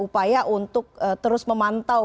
saya mungkin orang apa vai dari sisi